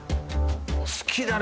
好きだね